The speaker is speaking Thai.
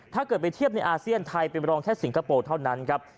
ถ้าเกิดไปเทียบในอาเซียนไทยเป็นรองแค่สิงคโปร์เท่านั้นครับ